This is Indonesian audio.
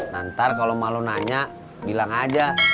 nanti kalau mak lo nanya bilang aja